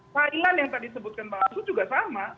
thailand yang tadi sebutkan bang arsul juga sama